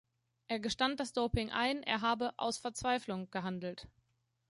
Er gestand das Doping ein, er habe „aus Verzweiflung“ gehandelt.